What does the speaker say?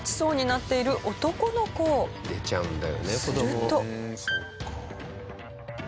すると。